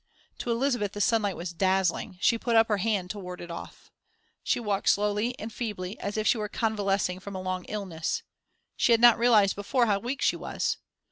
To Elizabeth the sunlight was dazzling; she put up her hand to ward it off. She walked slowly and feebly, as if she were convalescing from a long illness. She had not realized before how weak she was.